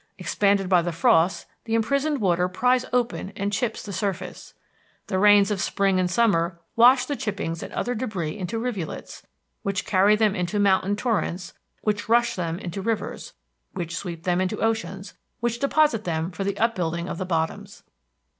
Expanded by the frosts, the imprisoned water pries open and chips the surface. The rains of spring and summer wash the chippings and other débris into rivulets, which carry them into mountain torrents, which rush them into rivers, which sweep them into oceans, which deposit them for the upbuilding of the bottoms.